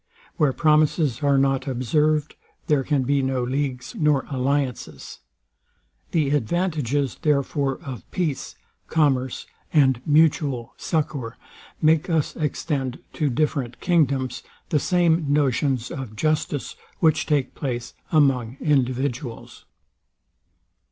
Where promises are not observed, there can be no leagues nor alliances. The advantages, therefore, of peace, commerce, and mutual succour, make us extend to different kingdoms the same notions of justice, which take place among individuals.